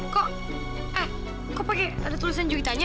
kok eh kok pake ada tulisan juga ditanya